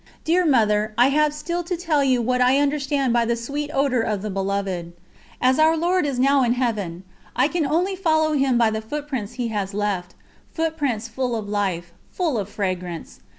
Dear Mother, I have still to tell you what I understand by the sweet odour of the Beloved. As Our Lord is now in Heaven, I can only follow Him by the footprints He has left footprints full of life, full of fragrance.